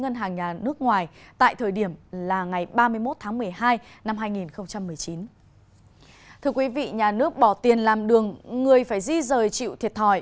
thưa quý vị nhà nước bỏ tiền làm đường người phải di rời chịu thiệt thòi